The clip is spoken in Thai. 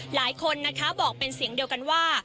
หลายคนนะคะบอกเป็นเสียงเดียวกันว่า